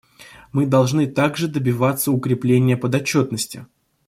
Мы должны также добиваться укрепления подотчетности.